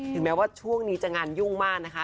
แม้ว่าช่วงนี้จะงานยุ่งมากนะคะ